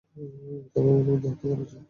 তাকে ঘুমের মধ্যে হত্যা করেছে।